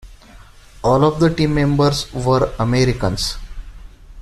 All of the team members were Americans.